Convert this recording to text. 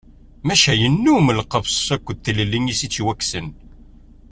Maca yennum lqefs akked tlelli i as-yettwakksen.